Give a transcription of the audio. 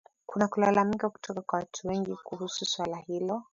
kuna kulalamika kutoka kwa watu wengi kuhusu swala hilo